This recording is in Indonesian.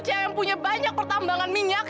cm punya banyak pertambangan minyak